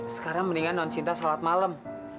sekarang mendingan nun sinta shalat malam